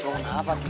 lo kenapa sih